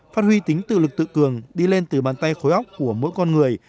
phát huy tính tự lực tự cường đi lên từ bàn tay khối ốc của mỗi con người